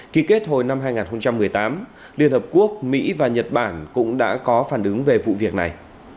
ký kết hồi năm hai nghìn một mươi tám liên hợp quốc mỹ và nhật bản cũng đã có phản ứng về vụ việc này